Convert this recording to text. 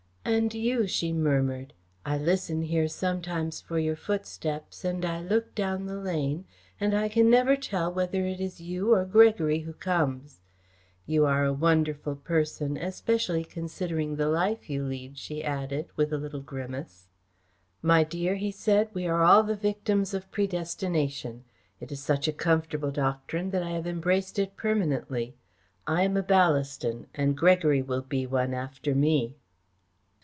"And you," she murmured, "I listen here sometimes for your footsteps, and I look down the lane, and I can never tell whether it is you or Gregory who comes. You are a wonderful person, especially considering the life you lead," she added, with a little grimace. "My dear," he said, "we are all the victims of predestination. It is such a comfortable doctrine that I have embraced it permanently. I am a Ballaston and Gregory will be one after me."